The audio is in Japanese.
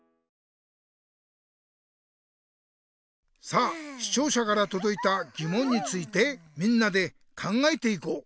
さあしちょうしゃからとどいたぎもんについてみんなで考えていこう。